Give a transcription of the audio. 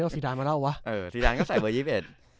ซีดานก็ใส่เบอร์๒๑